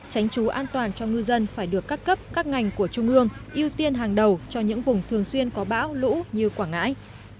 tránh trú an toàn cho ngư dân phải được các cấp các ngành của trung ương ưu tiên hàng đầu cho những vùng thường xuyên có bão lũ như quảng ngãi